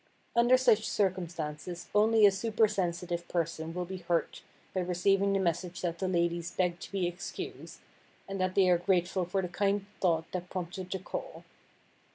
Under such circumstances only a supersensitive person will be hurt by receiving the message that the ladies beg to be excused, and that they are grateful for the kind thought that prompted the call.